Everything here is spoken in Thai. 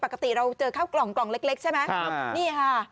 ปกติเราเจอข้าวกล่องกล่องเล็กใช่ไหมนี่ค่ะ